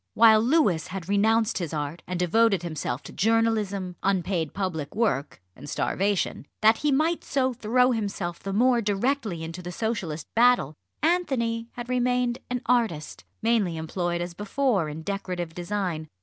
While Louis had renounced his art, and devoted himself to journalism, unpaid public work and starvation, that he might so throw himself the more directly into the Socialist battle, Anthony had remained an artist, mainly employed as before in decorative design.